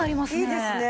いいですね。